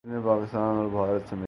film نے پاکستان اور بھارت سمیت